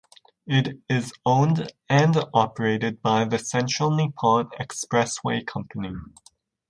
It is owned and operated by the Central Nippon Expressway Company.